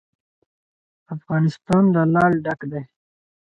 افغانستان له لعل ډک دی.